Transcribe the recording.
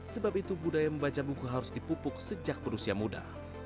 sebab itu budaya membaca buku harus dipupuk sejak berusia muda